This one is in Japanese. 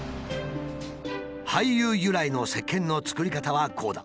廃油由来のせっけんの作り方はこうだ。